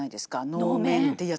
能面っていうやつ。